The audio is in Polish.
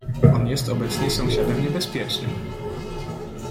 "On jest obecnie sąsiadem niebezpiecznym."